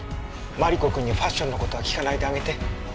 マリコ君にファッションの事は聞かないであげて。